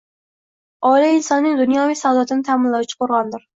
Oila insonning dunyoviy saodatini ta'minlovchi qo‘rg‘ondir